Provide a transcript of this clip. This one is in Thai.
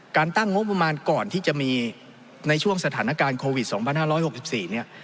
ตั้งงบประมาณก่อนที่จะมีในช่วงสถานการณ์โควิด๒๕๖๔เนี่ย